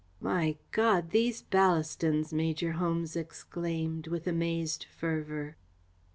"My God, these Ballastons!" Major Holmes exclaimed, with amazed fervour.